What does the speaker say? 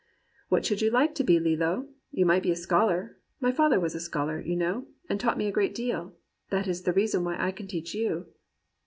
"* What should you like to be, Lillo ? You might be a scholar. My father was a scholar, you know, and taught me a great deal. That is the reason why I can teach you.'